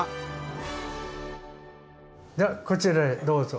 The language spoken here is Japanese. ではこちらへどうぞ。